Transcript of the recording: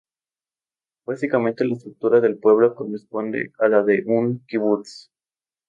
Básicamente, la estructura del pueblo corresponde a la de un kibutz.